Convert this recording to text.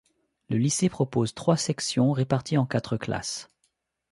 Le lycée propose trois sections réparties en quatre classes.